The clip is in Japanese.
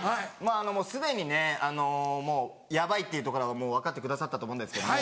もうすでにねヤバいっていうところは分かってくださったと思うんですけども。